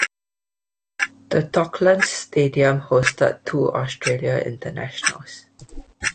The Docklands Stadium hosted two Australia internationals.